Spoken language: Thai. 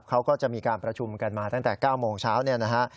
เขาก็จะมีการประชุมกันมาตั้งแต่๙โมงเช้าเนี่ยนะฮะ